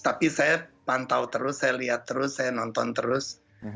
tapi saya pantau terus saya lihat terus saya nonton terus